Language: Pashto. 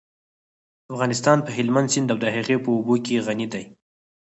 افغانستان په هلمند سیند او د هغې په اوبو غني دی.